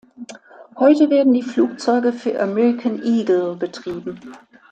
Heute werden die Flugzeuge für American Eagle betrieben.